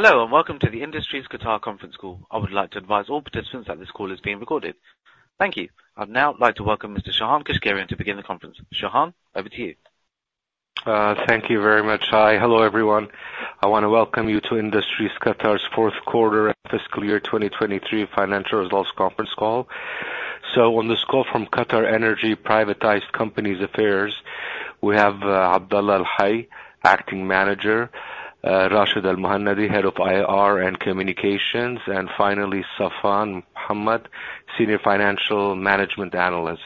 Hello, welcome to the Industries Qatar Conference Call. I would like to advise all participants that this call is being recorded. Thank you. I'd now like to welcome Mr. Shahan Keshkerian to begin the conference. Shahan, over to you. Thank you very much. Hi. Hello, everyone. I want to welcome you to Industries Qatar's fourth quarter fiscal year 2023 financial results conference call. On this call from QatarEnergy Privatized Companies Affairs, we have Abdulla Al-Hay, Acting Manager, Rashid Al-Mannai, Head of IR and Communications, and finally, Saffan Mohammed, Senior Financial Management Analyst.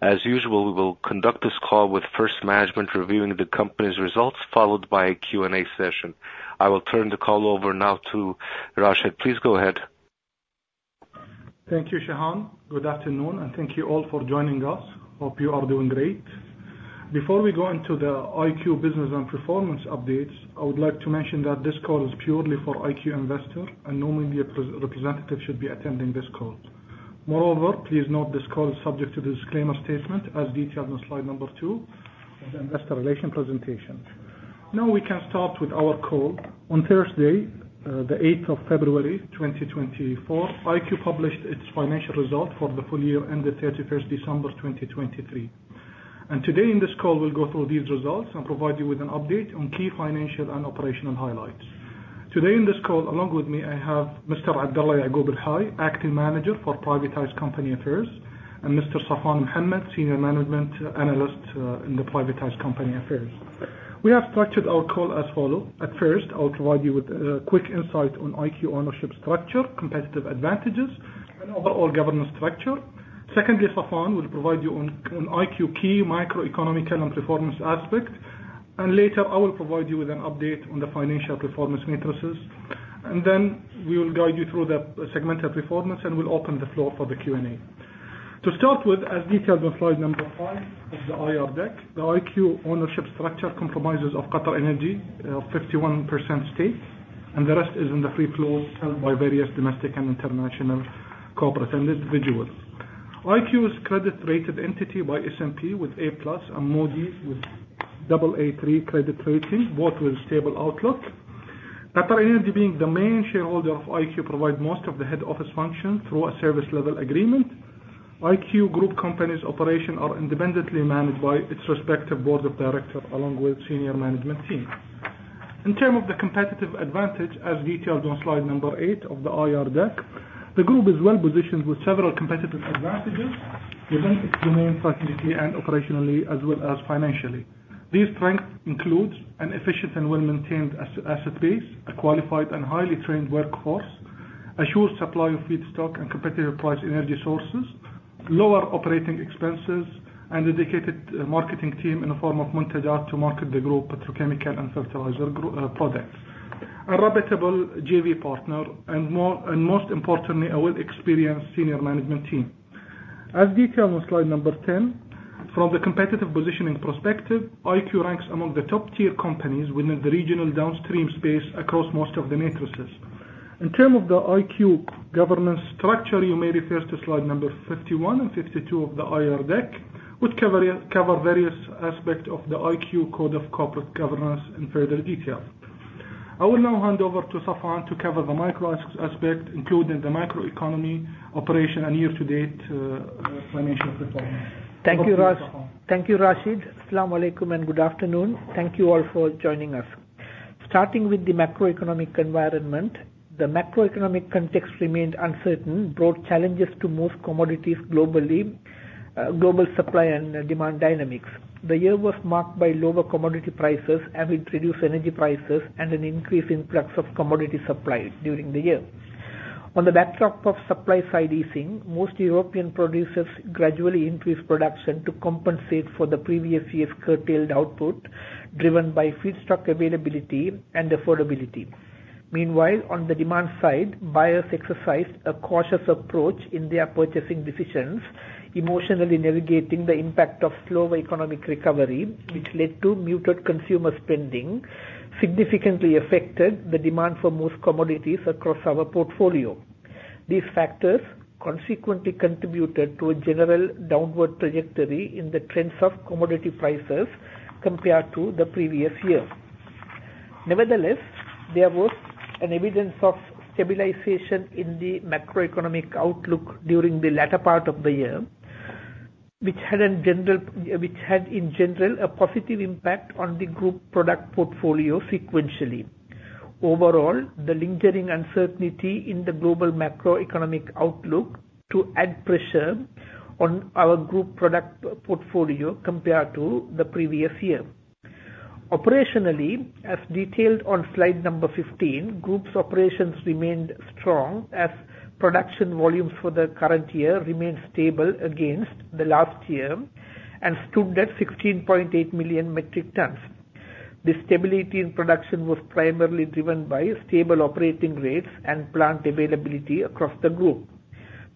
As usual, we will conduct this call with first management reviewing the company's results, followed by a Q&A session. I will turn the call over now to Rashid. Please go ahead. Thank you, Shahan. Good afternoon, thank you all for joining us. Hope you are doing great. Before we go into the IQ business and performance updates, I would like to mention that this call is purely for IQ investors, and only a representative should be attending this call. Moreover, please note this call is subject to the disclaimer statement as detailed on slide number two of the investor relations presentation. Now we can start with our call. On Thursday, the eighth of February 2024, IQ published its financial results for the full year ending 31st December 2023. Today in this call, we'll go through these results and provide you with an update on key financial and operational highlights. Today in this call, along with me, I have Mr. Abdulla Yaqoob Al-Hay, Acting Manager for Privatized Companies Affairs, and Mr. Saffan Mohammed, Senior Management Analyst in the Privatized Companies Affairs. We have structured our call as follows. At first, I will provide you with a quick insight on IQ ownership structure, competitive advantages, and overall governance structure. Secondly, Saffan will provide you on IQ key macroeconomic and performance aspects, and later, I will provide you with an update on the financial performance metrics. We will guide you through the segmental performance, and we'll open the floor for the Q&A. To start with, as detailed on slide number five of the IR deck, the IQ ownership structure compromises of QatarEnergy, a 51% stake, and the rest is in the free float held by various domestic and international corporate and individuals. IQ is credit-rated entity by S&P with A+ and Moody's with AA3 credit rating, both with stable outlook. QatarEnergy being the main shareholder of IQ, provide most of the head office function through a service level agreement. IQ group companies operation are independently managed by its respective board of director along with senior management team. In term of the competitive advantage, as detailed on slide number eight of the IR deck, the group is well-positioned with several competitive advantages within its domain, technically and operationally, as well as financially. These strengths include an efficient and well-maintained asset base, a qualified and highly trained workforce, a sure supply of feedstock and competitive price energy sources, lower operating expenses, and dedicated marketing team in the form of Muntajat to market the group petrochemical and fertilizer group products. A reputable JV partner and most importantly, a well-experienced senior management team. As detailed on slide number 10, from the competitive positioning perspective, IQ ranks among the top-tier companies within the regional downstream space across most of the matrices. In term of the IQ governance structure, you may refer to slide number 51 and 52 of the IR deck, which cover various aspects of the IQ code of corporate governance in further detail. I will now hand over to Saffan to cover the macro aspects, including the macroeconomy, operation, and year-to-date financial performance. Thank you, Rashid. As-salamu alaykum, good afternoon. Thank you all for joining us. Starting with the macroeconomic environment, the macroeconomic context remained uncertain, brought challenges to most commodities globally, global supply and demand dynamics. The year was marked by lower commodity prices as it reduced energy prices and an increase in influx of commodity supply during the year. On the backdrop of supply side easing, most European producers gradually increased production to compensate for the previous year's curtailed output, driven by feedstock availability and affordability. Meanwhile, on the demand side, buyers exercised a cautious approach in their purchasing decisions, cautiously navigating the impact of slower economic recovery, which led to muted consumer spending, significantly affected the demand for most commodities across our portfolio. These factors consequently contributed to a general downward trajectory in the trends of commodity prices compared to the previous year. Nevertheless, there was an evidence of stabilization in the macroeconomic outlook during the latter part of the year, which had in general a positive impact on the group product portfolio sequentially. Overall, the lingering uncertainty in the global macroeconomic outlook to add pressure on our group product portfolio compared to the previous year. Operationally, as detailed on slide number 15, group's operations remained strong as production volumes for the current year remained stable against the last year and stood at 16.8 million metric tons. The stability in production was primarily driven by stable operating rates and plant availability across the group.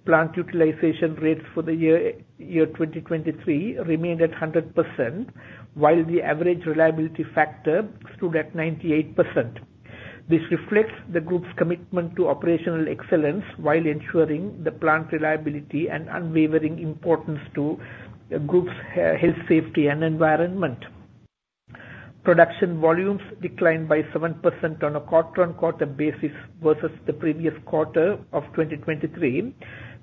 Plant utilization rates for the year 2023 remained at 100%, while the average reliability factor stood at 98%. This reflects the group's commitment to operational excellence while ensuring the plant reliability and unwavering importance to the group's health, safety, and environment. Production volumes declined by 7% on a quarter-on-quarter basis versus the previous quarter of 2023,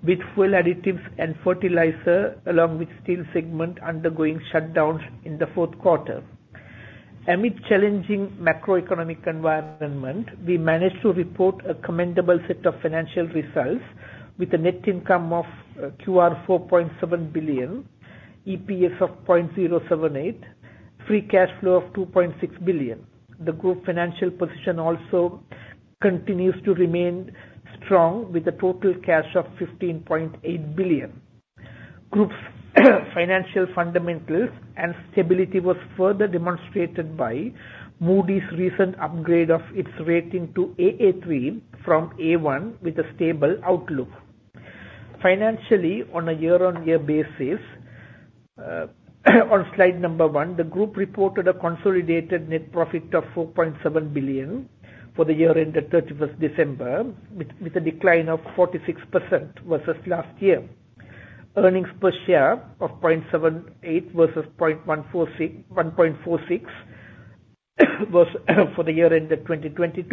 with fuel additives and fertilizer, along with steel segment, undergoing shutdowns in the fourth quarter. Amid challenging macroeconomic environment, we managed to report a commendable set of financial results with a net income of 4.7 billion, EPS of 0.078, free cash flow of 2.6 billion. The group financial position also continues to remain strong with a total cash of 15.8 billion. Group's financial fundamentals and stability was further demonstrated by Moody's recent upgrade of its rating to AA3 from A1 with a stable outlook. Financially, on a year-on-year basis, on slide number one, the group reported a consolidated net profit of 4.7 billion for the year ended 31st December, with a decline of 46% versus last year. Earnings per share of 0.78 versus 1.46 was for the year ended 2022.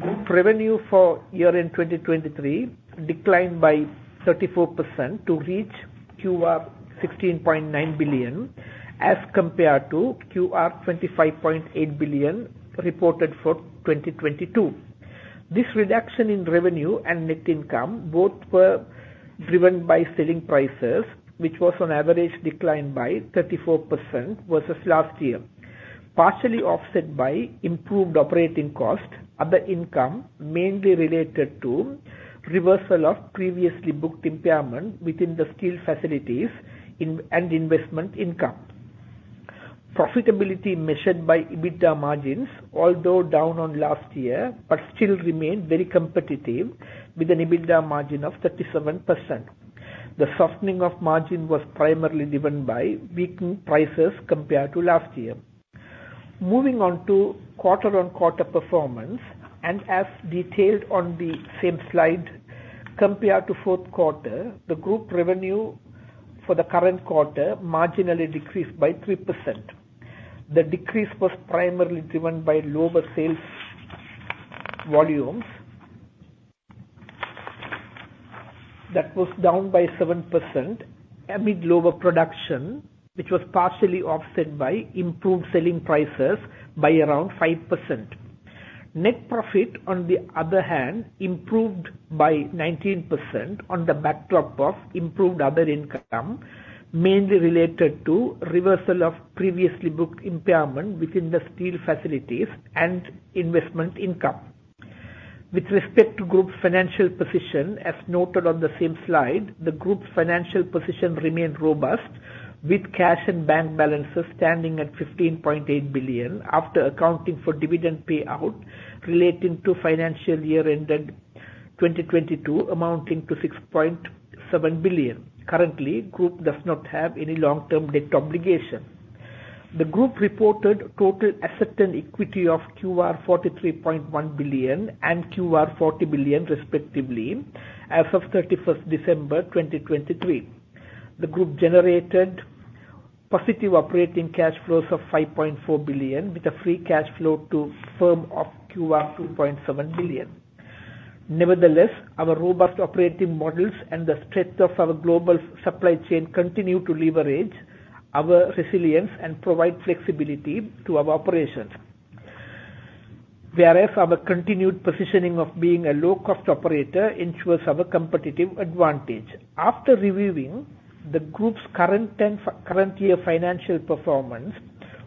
Group revenue for year-end 2023 declined by 34% to reach 16.9 billion as compared to 25.8 billion reported for 2022. This reduction in revenue and net income both were driven by selling prices, which was on average declined by 34% versus last year, partially offset by improved operating cost, other income mainly related to reversal of previously booked impairment within the steel facilities and investment income. Profitability measured by EBITDA margins, although down on last year, but still remained very competitive with an EBITDA margin of 37%. The softening of margin was primarily driven by weakened prices compared to last year. Moving on to quarter-on-quarter performance, as detailed on the same slide, compared to fourth quarter, the group revenue for the current quarter marginally decreased by 3%. The decrease was primarily driven by lower sales volumes. That was down by 7% amid lower production, which was partially offset by improved selling prices by around 5%. Net profit, on the other hand, improved by 19% on the backdrop of improved other income, mainly related to reversal of previously booked impairment within the steel facilities and investment income. With respect to group's financial position, as noted on the same slide, the group's financial position remained robust with cash and bank balances standing at 15.8 billion after accounting for dividend payout relating to financial year ended 2022 amounting to 6.7 billion. Currently, group does not have any long-term debt obligation. The group reported total asset and equity of 43.1 billion and 40 billion respectively as of 31st December 2023. The group generated positive operating cash flows of 5.4 billion with a free cash flow to firm of 2.7 billion. Nevertheless, our robust operating models and the strength of our global supply chain continue to leverage our resilience and provide flexibility to our operations. Whereas our continued positioning of being a low-cost operator ensures our competitive advantage. After reviewing the group's current year financial performance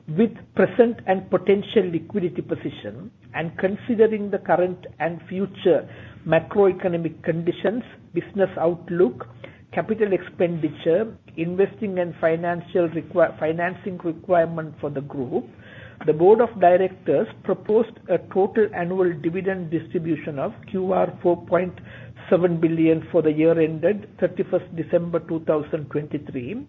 with present and potential liquidity position and considering the current and future macroeconomic conditions, business outlook, capital expenditure, investing and financing requirement for the group, the board of directors proposed a total annual dividend distribution of 4.7 billion for the year ended 31st December 2023,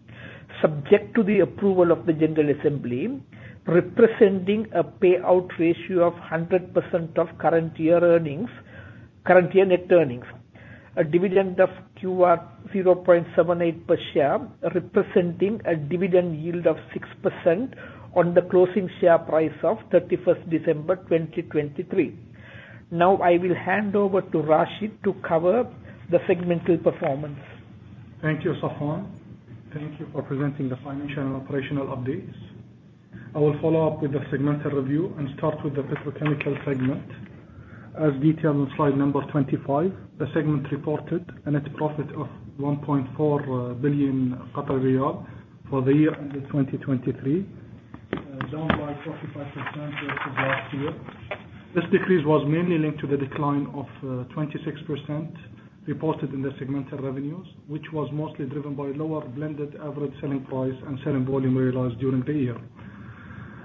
subject to the approval of the general assembly, representing a payout ratio of 100% of current year net earnings. A dividend of 0.78 per share, representing a dividend yield of 6% on the closing share price of 31st December 2023. I will hand over to Rashid to cover the segmental performance. Thank you, Saffan. Thank you for presenting the financial and operational updates. I will follow up with the segmental review and start with the petrochemical segment. As detailed on slide number 25, the segment reported a net profit of 1.4 billion riyal for the year ended 2023, down by 45% versus last year. This decrease was mainly linked to the decline of 26% reported in the segmental revenues, which was mostly driven by lower blended average selling price and selling volume realized during the year.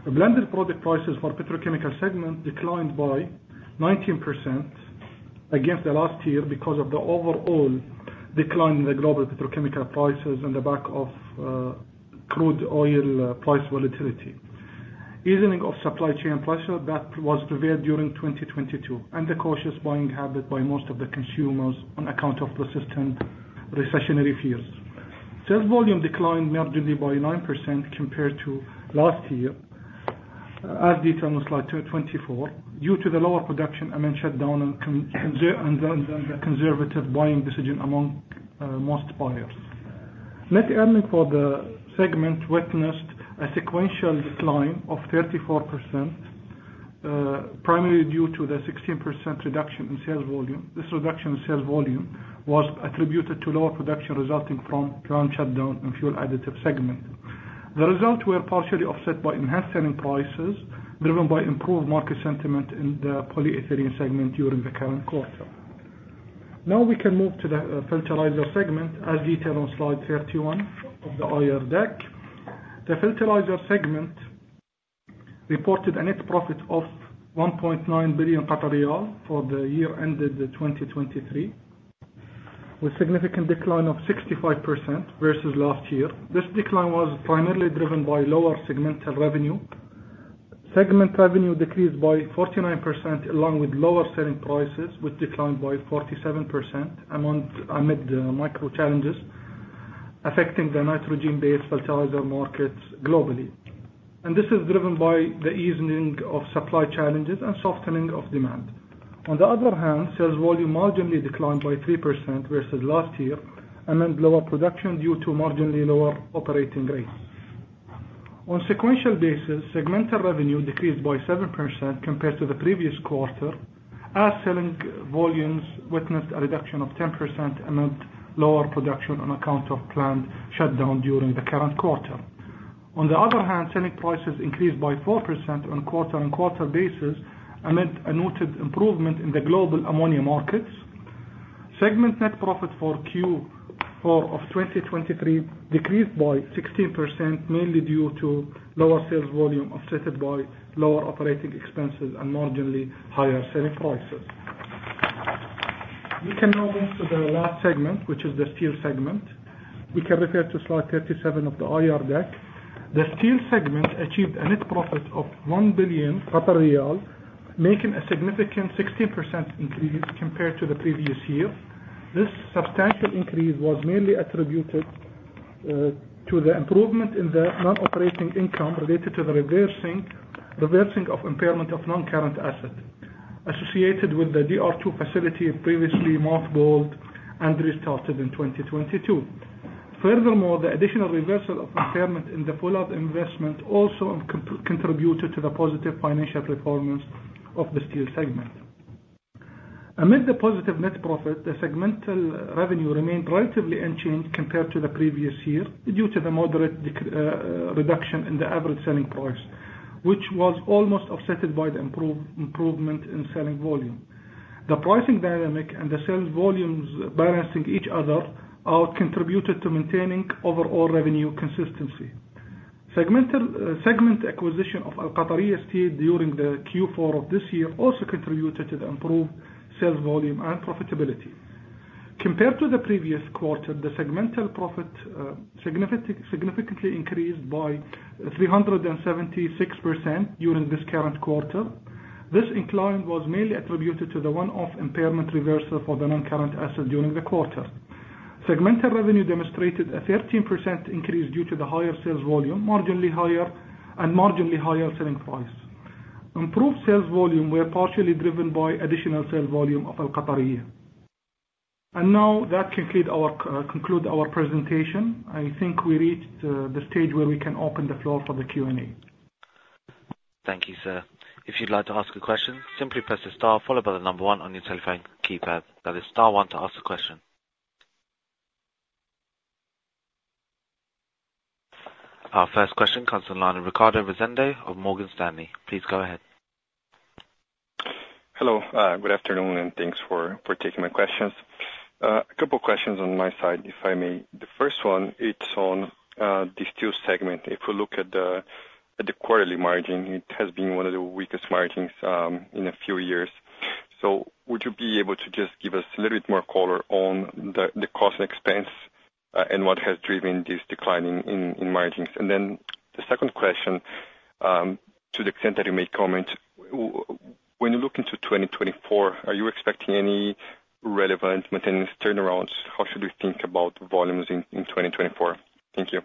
A blended product prices for petrochemical segment declined by 19% Against the last year because of the overall decline in the global petrochemical prices on the back of crude oil price volatility. Easing of supply chain pressure that was prevailed during 2022, the cautious buying habit by most of the consumers on account of persistent recessionary fears. Sales volume declined marginally by 9% compared to last year, as detailed on slide 24, due to the lower production amid shutdown and the conservative buying decision among most buyers. Net earnings for the segment witnessed a sequential decline of 34%, primarily due to the 16% reduction in sales volume. This reduction in sales volume was attributed to lower production resulting from planned shutdown in fuel additive segment. The results were partially offset by enhanced selling prices, driven by improved market sentiment in the polyether segment during the current quarter. Now we can move to the fertilizer segment as detailed on slide 31 of the IR deck. The fertilizer segment reported a net profit of 1.9 billion for the year ended 2023, with significant decline of 65% versus last year. This decline was primarily driven by lower segmental revenue. Segment revenue decreased by 49%, along with lower selling prices, which declined by 47% amid the macro challenges affecting the nitrogen-based fertilizer markets globally. This is driven by the easing of supply challenges and softening of demand. On the other hand, sales volume marginally declined by 3% versus last year, amid lower production due to marginally lower operating rates. On sequential basis, segmental revenue decreased by 7% compared to the previous quarter, as selling volumes witnessed a reduction of 10% amid lower production on account of planned shutdown during the current quarter. On the other hand, selling prices increased by 4% on quarter-on-quarter basis amid a noted improvement in the global ammonia markets. Segment net profit for Q4 of 2023 decreased by 16%, mainly due to lower sales volume, offset by lower operating expenses and marginally higher selling prices. We can now move to the last segment, which is the steel segment. We can refer to slide 37 of the IR deck. The steel segment achieved a net profit of 1 billion riyal, making a significant 16% increase compared to the previous year. This substantial increase was mainly attributed to the improvement in the non-operating income related to the reversing of impairment of non-current asset associated with the DR2 facility previously mothballed and restarted in 2022. Furthermore, the additional reversal of impairment in the follow-up investment also contributed to the positive financial performance of the steel segment. Amid the positive net profit, the segmental revenue remained relatively unchanged compared to the previous year due to the moderate reduction in the average selling price, which was almost offset by the improvement in selling volume. The pricing dynamic and the sales volumes balancing each other all contributed to maintaining overall revenue consistency. Segment acquisition of Al Qataria Steel during the Q4 of this year also contributed to the improved sales volume and profitability. Compared to the previous quarter, the segmental profit significantly increased by 376% during this current quarter. This incline was mainly attributed to the one-off impairment reversal for the non-current asset during the quarter. Segmental revenue demonstrated a 13% increase due to the higher sales volume, and marginally higher selling price. Improved sales volume were partially driven by additional sales volume of Al Qataria. Now, that conclude our presentation. I think we reached the stage where we can open the floor for the Q&A. Thank you, sir. If you'd like to ask a question, simply press the star followed by the number one on your telephone keypad. That is star one to ask a question. Our first question comes on the line of Ricardo Rezende of Morgan Stanley. Please go ahead. Hello. Good afternoon, thanks for taking my questions. A couple questions on my side, if I may. The first one, it's on the steel segment. If we look at the quarterly margin, it has been one of the weakest margins in a few years. Would you be able to just give us a little bit more color on the cost and expense, and what has driven this decline in margins? Then the second question, to the extent that you may comment, when you look into 2024, are you expecting any relevant maintenance turnarounds? How should we think about volumes in 2024? Thank you.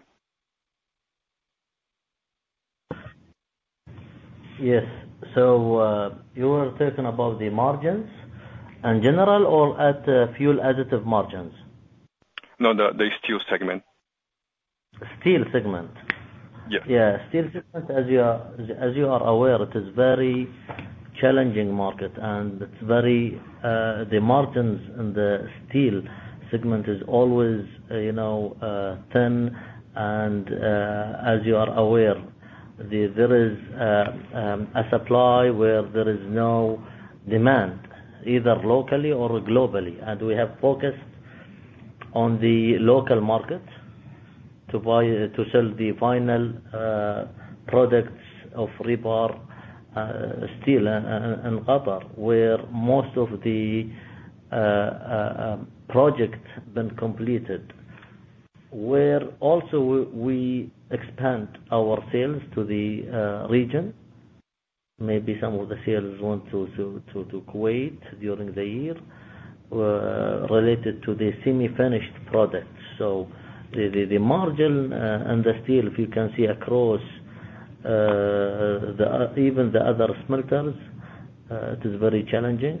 Yes. You were talking about the margins in general or at the fuel additive margins? No, the steel segment. Steel segment. Yeah. Steel segment, as you are aware, it is very challenging market. The margins in the steel segment is always thin. As you are aware, there is a supply where there is no demand, either locally or globally. We have focused On the local market to sell the final products of rebar steel in Qatar, where most of the projects been completed. Where also we expand our sales to the region. Maybe some of the sales went to Kuwait during the year, related to the semi-finished products. The margin and the steel, if you can see across even the other smelters, it is very challenging.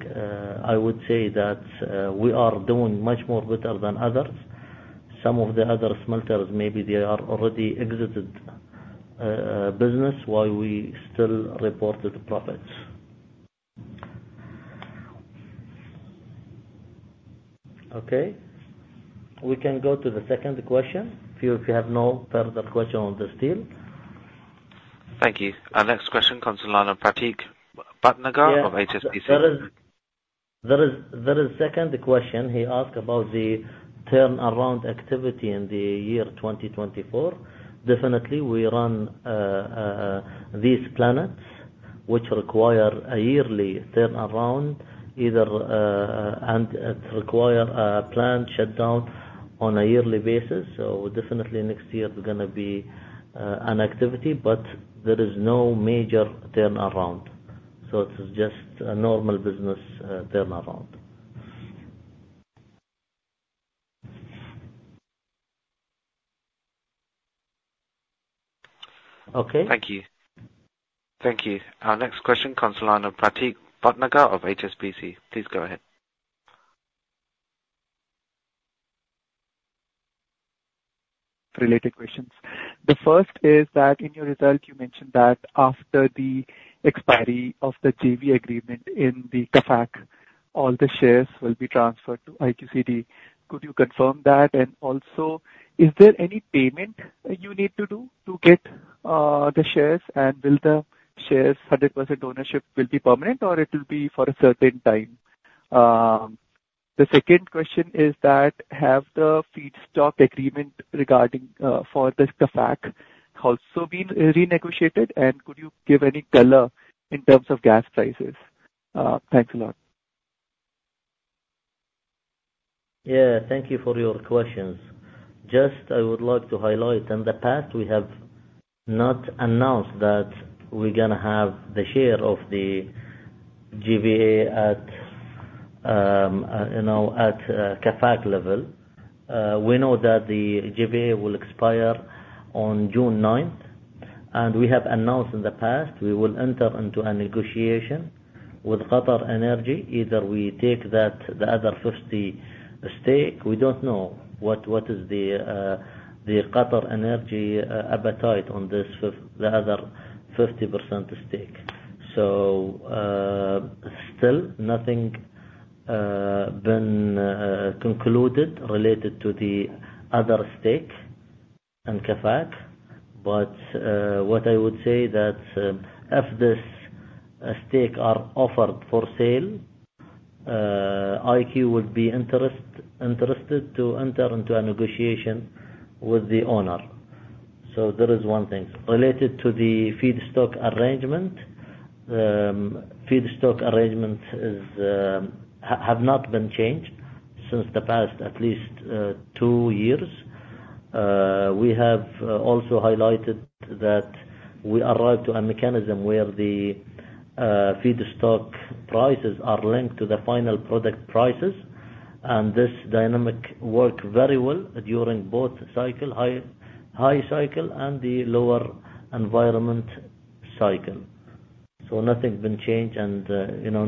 I would say that we are doing much more better than others. Some of the other smelters, maybe they are already exited business while we still reported profits. Okay. We can go to the second question, if you have no further question on the steel. Thank you. Our next question comes from Pratik Bhatnagar of HSBC. There is second question. He asked about the turnaround activity in the year 2024. Definitely, we run these plants, which require a yearly turnaround, and it require a plant shutdown on a yearly basis. Definitely next year there is going to be an activity, but there is no major turnaround. It is just a normal business turnaround. Okay. Thank you. Our next question comes from Pratik Bhatnagar of HSBC. Please go ahead. Related questions. The first is that in your result, you mentioned that after the expiry of the JV agreement in the QAFAC, all the shares will be transferred to IQCD. Could you confirm that? Also, is there any payment you need to do to get the shares? Will the shares, 100% ownership, will be permanent or it will be for a certain time? The second question is that, have the feedstock agreement regarding for the QAFAC also been renegotiated? Could you give any color in terms of gas prices? Thanks a lot. Yeah, thank you for your questions. Just I would like to highlight, in the past, we have not announced that we're going to have the share of the JVA at QAFAC level. We know that the JVA will expire on June ninth. We have announced in the past, we will enter into a negotiation with QatarEnergy. Either we take the other 50 stake. We don't know what is the QatarEnergy appetite on the other 50% stake. Still nothing been concluded related to the other stake in QAFAC. What I would say that, if this stake are offered for sale, IQ would be interested to enter into a negotiation with the owner. There is one thing. Related to the feedstock arrangement. The feedstock arrangement have not been changed since the past at least two years. We have also highlighted that we arrived to a mechanism where the feedstock prices are linked to the final product prices, and this dynamic work very well during both cycle, high cycle and the lower environment cycle. Nothing's been changed and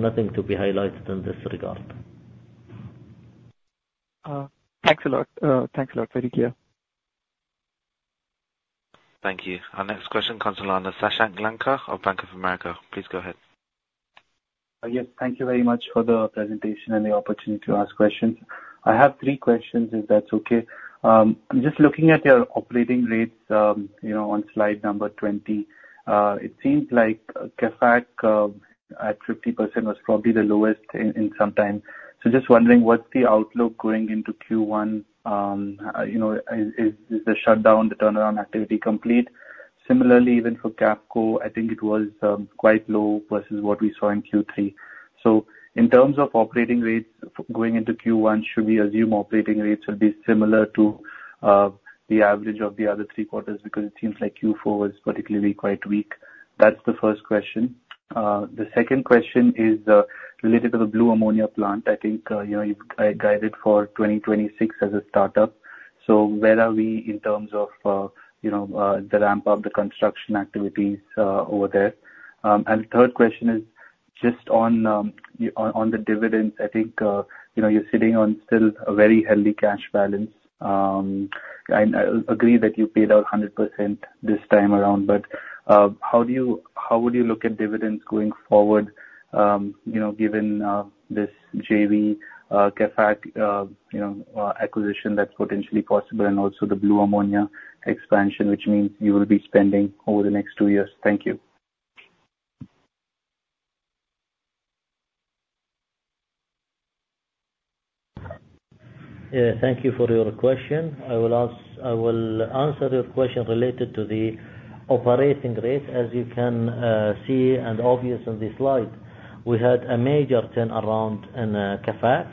nothing to be highlighted in this regard. Thanks a lot. Very clear. Thank you. Our next question comes from Sashank Lanka of Bank of America. Please go ahead. Thank you very much for the presentation and the opportunity to ask questions. I have three questions, if that's okay. Just looking at your operating rates on slide number 20. It seems like QAFAC at 50% was probably the lowest in some time. Just wondering, what's the outlook going into Q1? Is the shutdown, the turnaround activity complete? Similarly, even for QAFCO, I think it was quite low versus what we saw in Q3. In terms of operating rates going into Q1, should we assume operating rates will be similar to the average of the other three quarters? Because it seems like Q4 was particularly quite weak. That's the first question. The second question is related to the blue ammonia plant. I think you've guided for 2026 as a startup. Where are we in terms of the ramp up, the construction activities over there? Third question is just on the dividends. I think you're sitting on still a very healthy cash balance. I agree that you paid out 100% this time around. How would you look at dividends going forward, given this JV, QAFAC acquisition that's potentially possible and also the blue ammonia expansion, which means you will be spending over the next two years? Thank you. Thank you for your question. I will answer your question related to the operating rate. As you can see, and obvious on this slide, we had a major turnaround in QAFAC,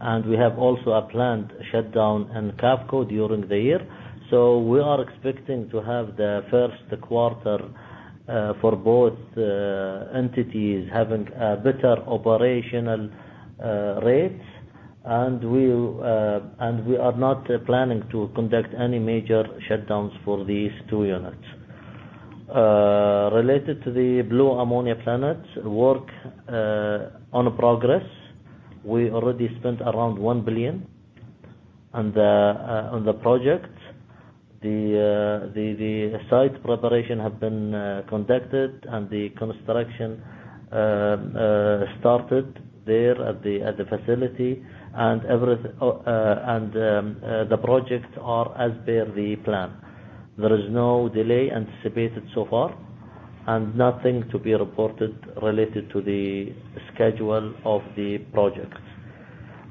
and we have also a plant shutdown in QAFCO during the year. We are expecting to have the first quarter for both entities having better operational rates. We are not planning to conduct any major shutdowns for these two units. Related to the blue ammonia plant work on progress, we already spent around 1 billion on the project. The site preparation have been conducted, and the construction started there at the facility, and the projects are as per the plan. There is no delay anticipated so far, and nothing to be reported related to the schedule of the project.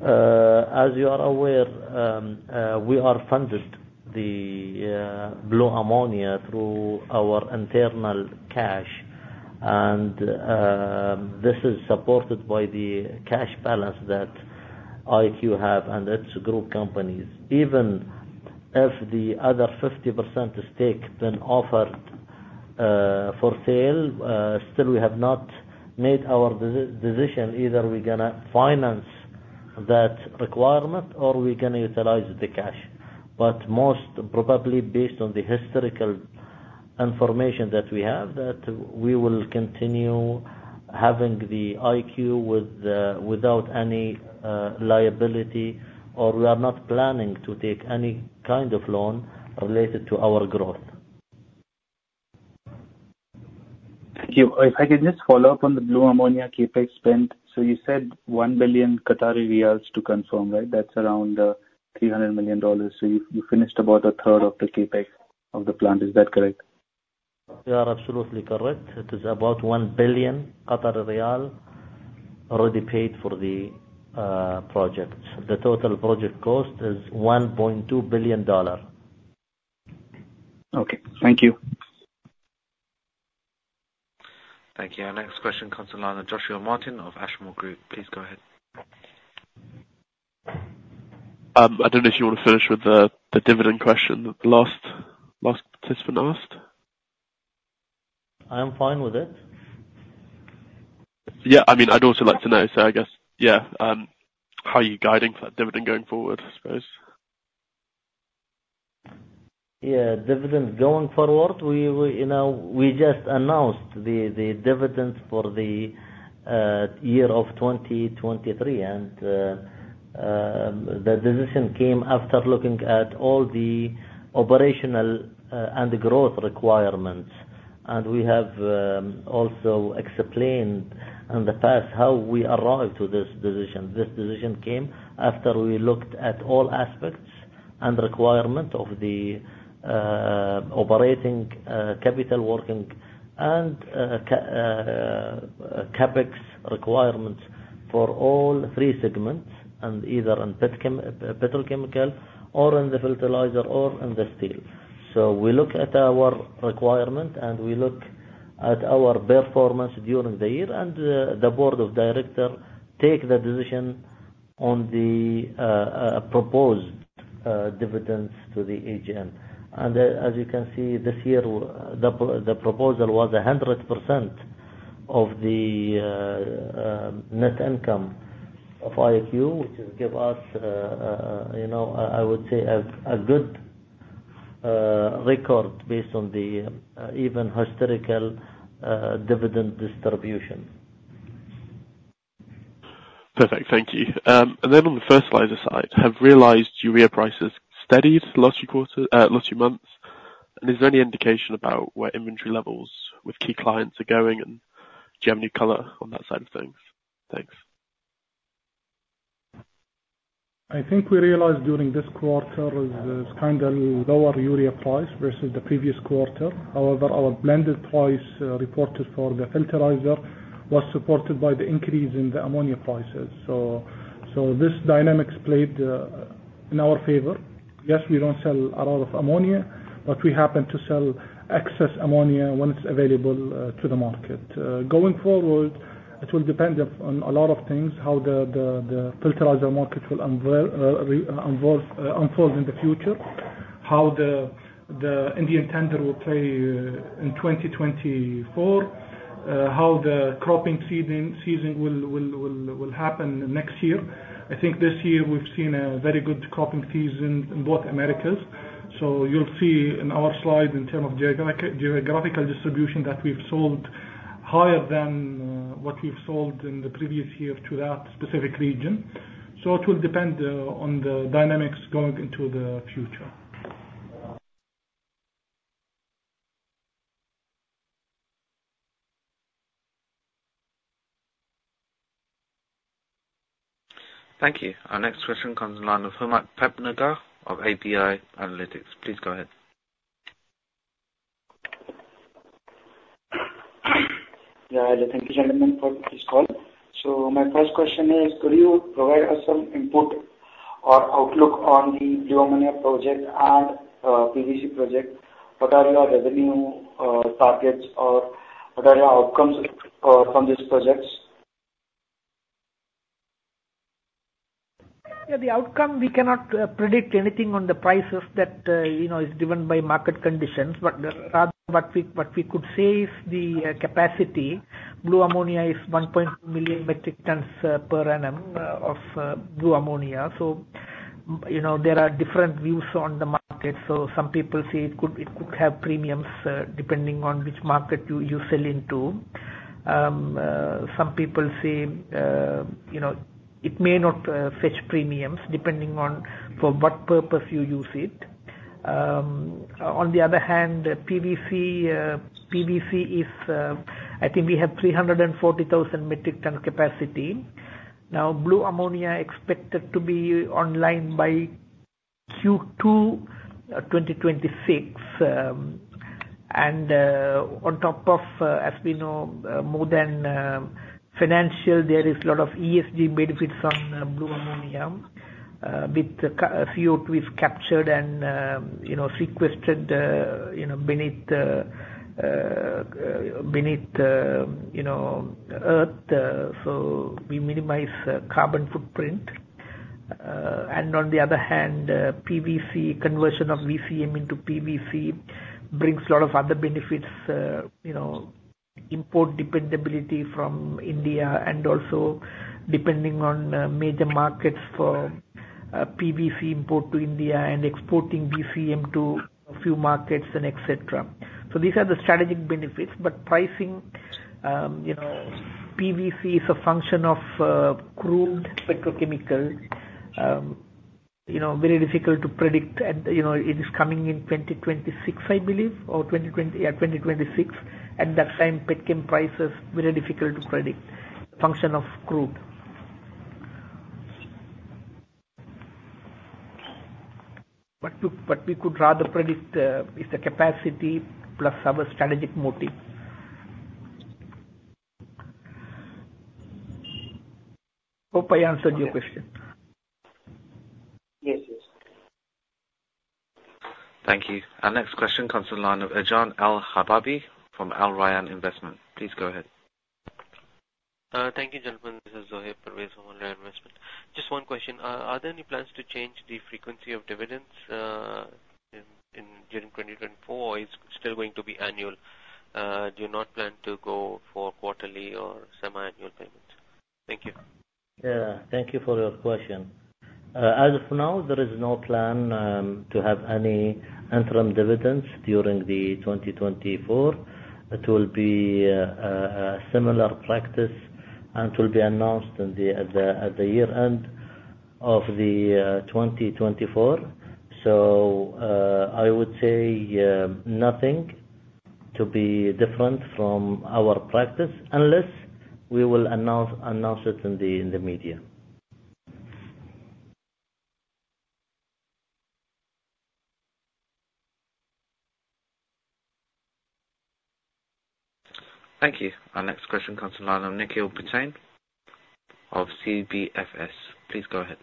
As you are aware, we are funded the blue ammonia through our internal cash, and this is supported by the cash balance that IQ have and its group companies. Even if the other 50% stake been offered for sale, still we have not made our decision. Either we're going to finance that requirement or we're going to utilize the cash. Most probably based on the historical information that we have, that we will continue having the IQ without any liability, or we are not planning to take any kind of loan related to our growth. Thank you. If I could just follow up on the blue ammonia CapEx spend. You said 1 billion Qatari riyals to confirm. That's around $300 million. You finished about a third of the CapEx of the plant. Is that correct? You are absolutely correct. It is about 1 billion QAR already paid for the project. The total project cost is $1.2 billion. Okay. Thank you. Thank you. Our next question comes in line with Joshua Martin of Ashmore Group. Please go ahead. I don't know if you want to finish with the dividend question the last participant asked. I am fine with it. Yeah. I'd also like to know. I guess, yeah. How are you guiding for that dividend going forward, I suppose? Yeah. Dividend going forward, we just announced the dividend for the year of 2023, the decision came after looking at all the operational and growth requirements. We have also explained in the past how we arrived to this decision. This decision came after we looked at all aspects and requirement of the operating capital working and CapEx requirements for all three segments, and either in petrochemical or in the fertilizer or in the steel. We look at our requirement, and we look at our performance during the year. The board of director take the decision on the proposed dividends to the AGM. As you can see this year, the proposal was 100% of the net income of IQ, which give us, I would say, a good record based on the even historical dividend distribution. Perfect. Thank you. On the fertilizer side, have realized urea prices steadied the last two months? Is there any indication about where inventory levels with key clients are going, and do you have any color on that side of things? Thanks. I think we realized during this quarter is kind of lower urea price versus the previous quarter. However, our blended price reported for the fertilizer was supported by the increase in the ammonia prices. This dynamics played in our favor. Yes, we don't sell a lot of ammonia, but we happen to sell excess ammonia when it's available to the market. Going forward, it will depend on a lot of things, how the fertilizer market will unfold in the future, how the Indian tender will play in 2024, how the cropping season will happen next year. I think this year we've seen a very good cropping season in both Americas. You'll see in our slide in terms of geographical distribution that we've sold higher than what we've sold in the previous year to that specific region. It will depend on the dynamics going into the future. Thank you. Our next question comes in line with Humad Pebnagar of ABI Analytics. Please go ahead. Thank you, gentlemen, for this call. My first question is, could you provide us some input or outlook on the blue ammonia project and PVC project? What are your revenue targets, or what are your outcomes from these projects? The outcome, we cannot predict anything on the prices that is driven by market conditions. Rather, what we could say is the capacity. Blue ammonia is 1 million metric tons per annum of blue ammonia. There are different views on the market. Some people say it could have premiums depending on which market you sell into. Some people say it may not fetch premiums depending on for what purpose you use it. On the other hand, PVC is, I think we have 340,000 metric ton capacity. Blue ammonia expected to be online by Q2 2026. On top of, as we know, more than financial, there is a lot of ESG benefits on blue ammonia. CO2 is captured and sequestered beneath the earth. We minimize carbon footprint. On the other hand, PVC, conversion of VCM into PVC brings a lot of other benefits, import dependability from India and also depending on major markets for PVC import to India and exporting VCM to a few markets and et cetera. These are the strategic benefits. Pricing, PVC is a function of crude petrochemical. Very difficult to predict. It is coming in 2026, I believe. At that time, petchem prices, very difficult to predict. Function of crude. What we could rather predict is the capacity plus our strategic motive. Hope I answered your question. Yes. Thank you. Our next question comes from the line of Ejan Al Hababi from Alrayan Investment. Please go ahead. Thank you, gentlemen. This is Zohaib Parvez from Alrayan Investment. Just one question. Are there any plans to change the frequency of dividends in June 2024, or it's still going to be annual? Do you not plan to go for quarterly or semi-annual payments? Thank you. Thank you for your question. As of now, there is no plan to have any interim dividends during the 2024. It will be a similar practice, and it will be announced at the year-end of the 2024. I would say, nothing to be different from our practice, unless we will announce it in the media. Thank you. Our next question comes from the line of Nikhil Patel of CBFS. Please go ahead.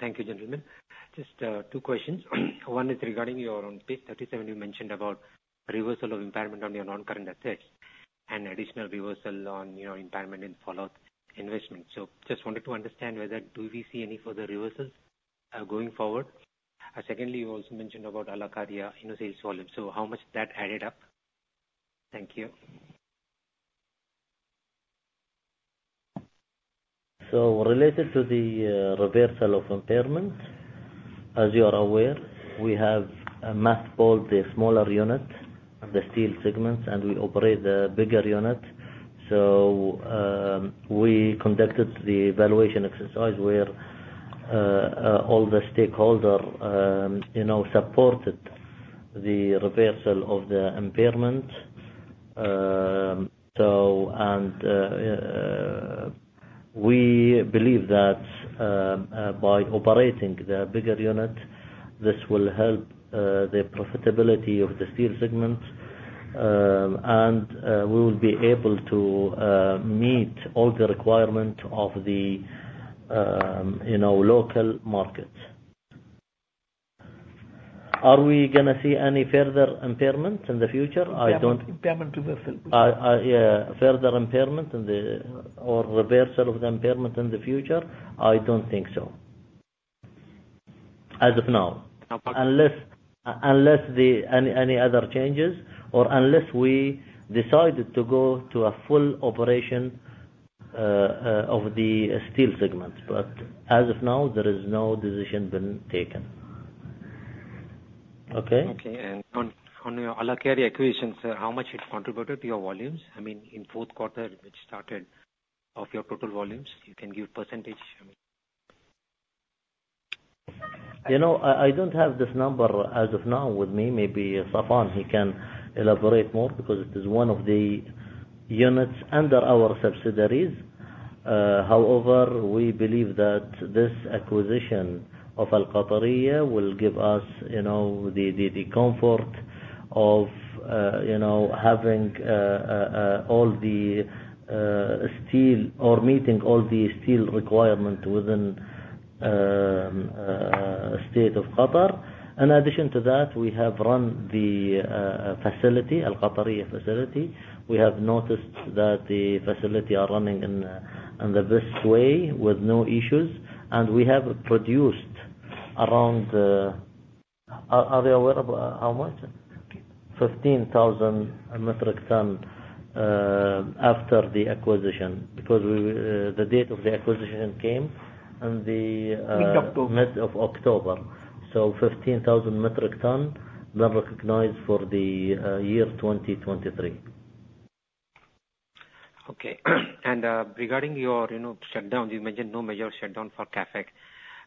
Thank you, gentlemen. Just two questions. One is regarding your own page 37, you mentioned about reversal of impairment on your non-current assets and additional reversal on your impairment in follow-up investment. Just wanted to understand whether do we see any further reversals going forward? Secondly, you also mentioned about Al Qataria in your sales volume, how much that added up? Thank you. Related to the reversal of impairment, as you are aware, we have a mass called the smaller unit of the steel segments, and we operate the bigger unit. We conducted the valuation exercise where all the stakeholder supported the reversal of the impairment. We believe that by operating the bigger unit, this will help the profitability of the steel segment. We will be able to meet all the requirement of the local market. Are we going to see any further impairment in the future? I don't- Impairment reversal. Yeah. Further impairment or reversal of impairment in the future, I don't think so. As of now. Unless there are any other changes or unless we decide to go to a full operation of the steel segment. As of now, there is no decision been taken. Okay. Okay. On your Al Qataria acquisition, sir, how much it contributed to your volumes? In fourth quarter, it started off your total volumes. You can give percentage. I don't have this number as of now with me. Maybe Saffan, he can elaborate more because it is one of the units under our subsidiaries. However, we believe that this acquisition of Al Qataria will give us the comfort of having all the steel or meeting all the steel requirement within the state of Qatar. In addition to that, we have run the Al Qataria facility. We have noticed that the facility is running in the best way with no issues, and we have produced around. Are they aware of how much? 15,000 metric tons after the acquisition. Mid of October. Mid of October. 15,000 metric ton were recognized for the year 2023. Okay. Regarding your shutdown, you mentioned no major shutdown for CapEx.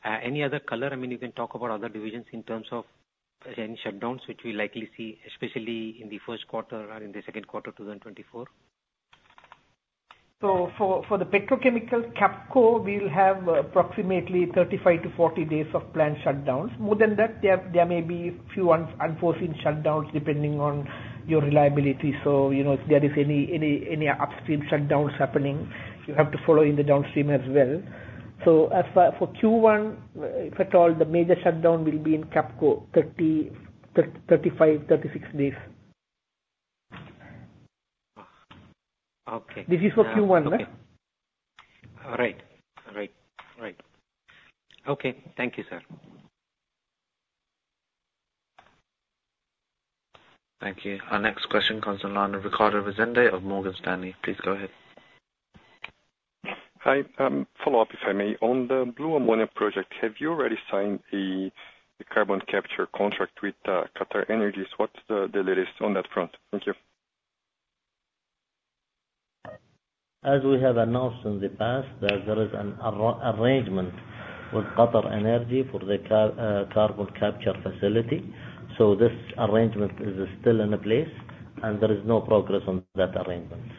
Any other color? You can talk about other divisions in terms of any shutdowns which we'll likely see, especially in the first quarter or in the second quarter 2024. For the petrochemical QAPCO, we'll have approximately 35-40 days of planned shutdowns. More than that, there may be few unforeseen shutdowns depending on your reliability. If there is any upstream shutdowns happening, you have to follow in the downstream as well. As for Q1, if at all, the major shutdown will be in QAPCO, 35-36 days. Okay. This is for Q1. Okay. All right. Okay. Thank you, sir. Thank you. Our next question comes from the line of Ricardo Rezende of Morgan Stanley. Please go ahead. Hi. Follow-up, if I may. On the blue ammonia project, have you already signed the carbon capture contract with QatarEnergy? What's the latest on that front? Thank you. As we have announced in the past that there is an arrangement with QatarEnergy for the carbon capture facility. This arrangement is still in place, and there is no progress on that arrangement.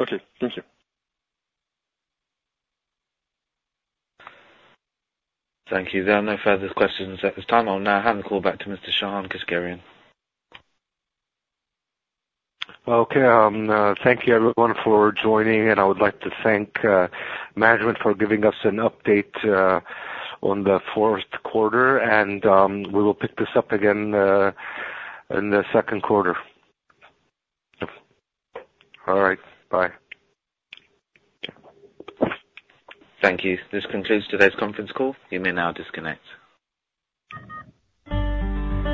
Okay. Thank you. Thank you. There are no further questions at this time. I will now hand the call back to Mr. Shahan Keshkerian. Okay. Thank you everyone for joining. I would like to thank management for giving us an update on the fourth quarter. We will pick this up again in the second quarter. All right. Bye. Thank you. This concludes today's conference call. You may now disconnect.